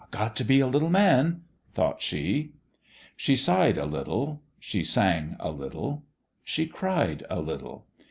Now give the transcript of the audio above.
" I got t' be a little man !" thought she. She sighed a little she sang a little she cried a little.